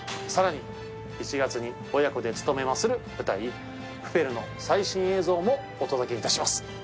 さらに１月に親子で務めまする舞台『プペル』の最新映像もお届けいたします。